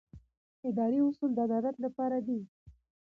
اداري اصول د عدالت لپاره دي.